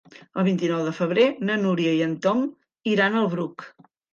El vint-i-nou de febrer na Núria i en Tom iran al Bruc.